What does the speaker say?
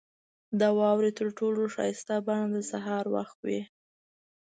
• د واورې تر ټولو ښایسته بڼه د سهار وخت وي.